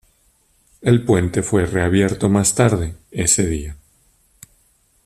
El puente fue reabierto más tarde ese día.